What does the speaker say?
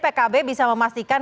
bagaimana pkb bisa memastikan